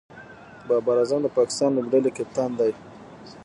بابر اعظم د پاکستان لوبډلي کپتان دئ.